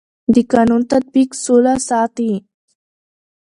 د قانون تطبیق سوله ساتي